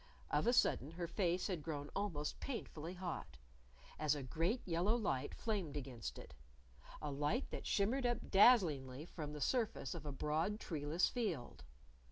Of a sudden her face had grown almost painfully hot as a great yellow light flamed against it, a light that shimmered up dazzlingly from the surface of a broad treeless field.